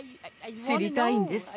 知りたいんです。